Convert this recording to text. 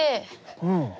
うん。